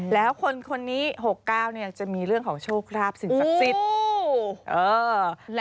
แล้วคนนี้๖๙จะมีเรื่องของโชคราบสิ่งศักดิ์สิทธิ์